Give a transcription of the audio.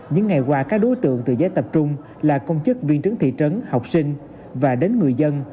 những ngày qua các đối tượng tự giấy tập trung là công chức viên trướng thị trấn học sinh và đến người dân